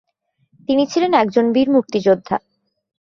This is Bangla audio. তিনি ছিলেন একজন বীর মুক্তিযোদ্ধা।